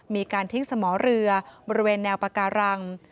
มีการทิ้งสมอเรือบริเวณแนวปาการัง